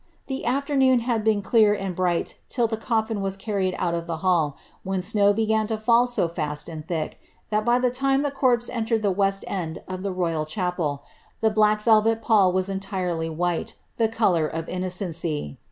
^ The afternoon had been clear and ^' bright till the coffin was carried out of the hall, when snow began to '^ fall so fast and thick, that by the time the corpse entered the west end . of the royal clmpel, the black velvet pmll was entirely white, the colour of innocency.